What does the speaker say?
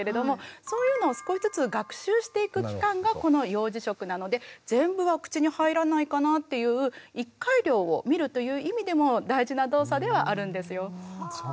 そういうのを少しずつ学習していく期間がこの幼児食なので全部は口に入らないかなっていう１回量を見るという意味でも大事な動作ではあるんですよ。